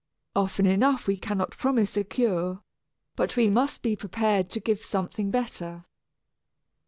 Often enough we cannot promise a cure, but we must be prepared to give something better.